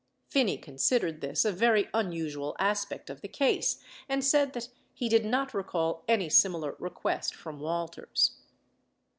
Phin ney considered this a very unusual aspect of the case and said that he did not recall any similar request from Walters.